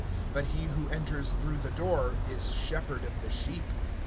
(2)But he that enters in through the door is a shepherd of the sheep.